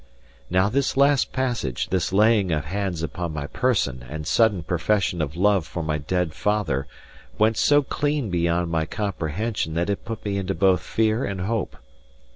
Now this last passage, this laying of hands upon my person and sudden profession of love for my dead father, went so clean beyond my comprehension that it put me into both fear and hope.